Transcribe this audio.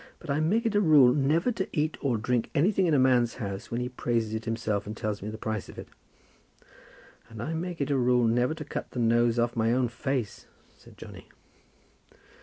But I make it a rule never to eat or drink anything in a man's house when he praises it himself and tells me the price of it." "And I make it a rule never to cut the nose off my own face," said Johnny.